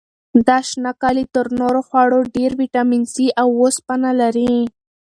دا شنه کالي تر نورو خوړو ډېر ویټامین سي او وسپنه لري.